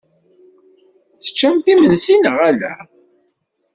Teččamt imensi neɣ ala?